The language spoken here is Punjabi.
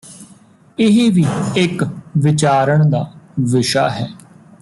ਇਹ ਵੀ ਇਕ ਵਿਚਾਰਣ ਦਾ ਵਿਸ਼ਾ ਹੈ